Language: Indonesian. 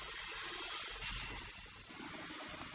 mau jadi kayak gini sih salah buat apa